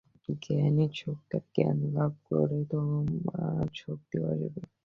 জ্ঞানই শক্তি আর জ্ঞানলাভ করলেই তোমার শক্তিও আসবে।